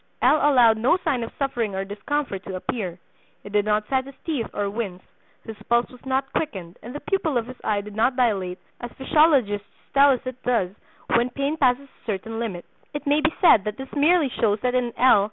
L. allowed no sign of suffering or discomfort to appear; he did not set his teeth or wince; his pulse was not quickened, and the pupil of his eye did not dilate as physiologists tell us it does when pain passes a certain limit. It may be said that this merely shows that in L.